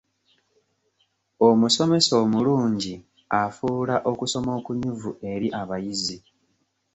Omusomesa omulungi afuula okusoma okunyuvu eri abayizi.